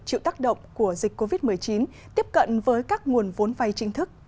chịu tác động của dịch covid một mươi chín tiếp cận với các nguồn vốn vay chính thức